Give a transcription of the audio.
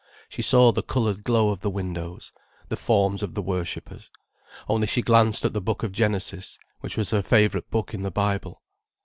She saw the coloured glow of the windows, the forms of the worshippers. Only she glanced at the book of Genesis, which was her favourite book in the Bible.